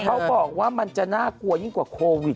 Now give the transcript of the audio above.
เขาบอกว่ามันจะน่ากลัวยิ่งกว่าโควิด